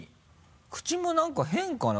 口も何か変かな？